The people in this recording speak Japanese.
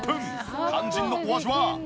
肝心のお味は？